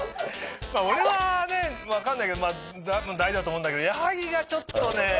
俺はね分かんないけど大丈夫だと思うんだけど矢作がちょっとね。